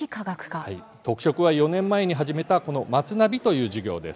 特色は４年前に始めた「まつナビ」という授業です。